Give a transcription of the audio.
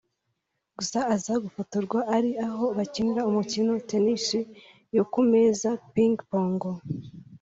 gusa aza gufotorwa ari aho bakinira umukino Tennis yo ku meza (Ping Pong)